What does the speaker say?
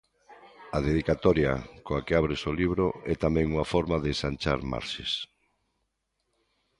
A dedicatoria coa que abres o libro é tamén unha forma de ensanchar marxes.